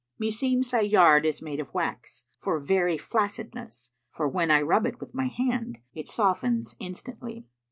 Meseems thy yard is made of wax, for very flaccidness; * For when I rub it with my hand, it softens instantly.'